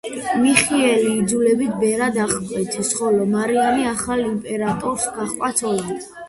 მიხეილი იძულებით ბერად აღკვეცეს, ხოლო მარიამი ახალ იმპერატორს გაჰყვა ცოლად.